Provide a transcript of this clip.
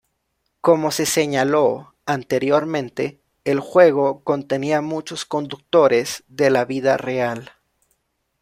Como se señaló anteriormente, el juego contenía muchos conductores de la vida real.